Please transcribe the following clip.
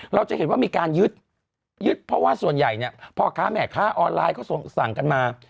เราจะเห็นว่ามีการยึดยึดเพราะว่าส่วนใหญ่เนี่ยพ่อค้าแม่ค้าออนไลน์เขาสั่งกันมา